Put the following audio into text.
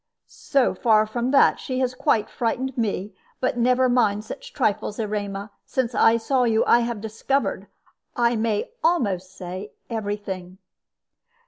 "So far from that, she has quite frightened me. But never mind such trifles. Erema, since I saw you I have discovered, I may almost say, every thing."